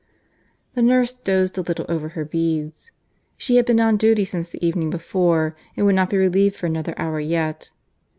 The nurse dozed a little over her beads. (She had been on duty since the evening before, and would not be relieved for another hour yet.)